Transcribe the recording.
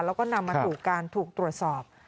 แล้วก็นำมาสู่การถูกตรวจสอบ